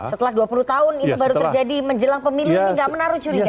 setelah dua puluh tahun itu baru terjadi menjelang pemilih ini tidak menaruh curiga ya bang